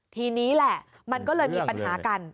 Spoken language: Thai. ทีนี้แหละมันก็เลยมีปัญหากัน